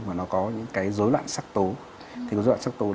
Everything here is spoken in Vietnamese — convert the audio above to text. mà nó có những dối loạn sắc tố